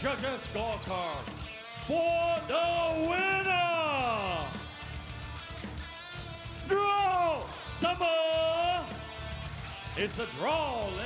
เราจะไปที่จัดการศักดิ์ศักดิ์ศักดิ์ของเจ้า